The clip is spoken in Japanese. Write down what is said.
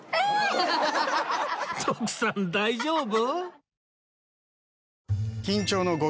徳さん大丈夫？